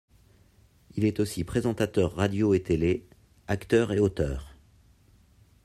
Il est aussi présentateur radio et télé, acteur et auteur.